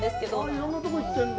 いろんなところ行ってるんだ。